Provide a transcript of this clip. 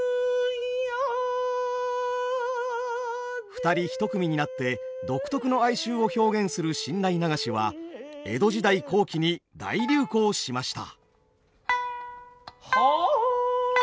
二人一組になって独特の哀愁を表現する新内流しは江戸時代後期に大流行しました。